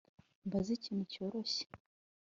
mbaze ikintu cyoroshye